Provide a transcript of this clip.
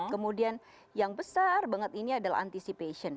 kemudian yang besar banget ini adalah anticipation